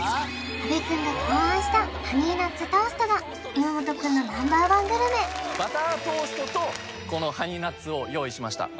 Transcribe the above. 阿部くんが考案したハニーナッツトーストが岩本くんのＮｏ．１グルメバタートーストとこのハニーナッツを用意しました